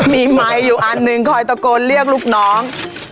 มีไมค์อยู่อันหนึ่งคอยตะโกนเรียกลูกน้อง